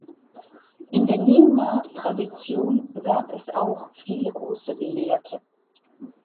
In der Nyingma-Tradition gab es auch viele große Gelehrte.